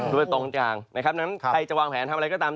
ด้วยตรงกลางนะครับดังนั้นใครจะวางแผนทำอะไรก็ตาม